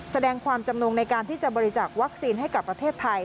แสดงความจำนงในการที่จะบริจาควัคซีนให้กับประเทศไทย